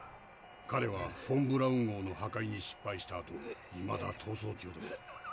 彼はフォン・ブラウン号の破壊に失敗したあといまだ逃走中です。